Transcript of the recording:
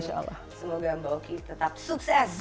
semoga mbak boki tetap sukses